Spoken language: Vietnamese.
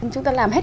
chúng ta làm hết